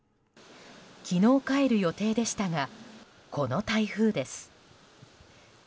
昨日帰る予定でしたがこの台風です。